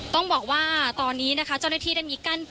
ต้องบอกว่าตอนนี้นะคะเจ้าหน้าที่ได้มีการ